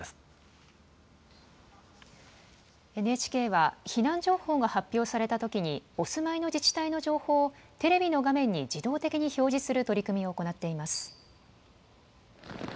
ＮＨＫは、避難情報が発表されたときに、お住まいの自治体の情報を、テレビの画面に自動的に表示する取り組みを行っています。